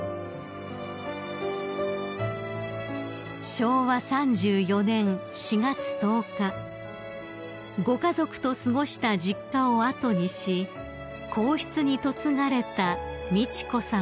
［昭和３４年４月１０日ご家族と過ごした実家を後にし皇室に嫁がれた美智子さま］